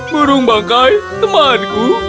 burung bangkai temanku